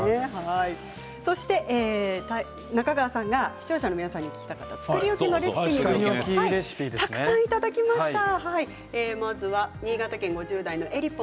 中川さんが視聴者の皆さんに聞きたかった作り置きレシピもたくさんいただきました。